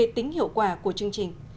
tính hiệu quả của chương trình